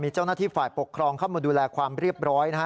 มีเจ้านตรีฝ่าปกครองเข้ามาดูแลความเรียบร้อยนะครับ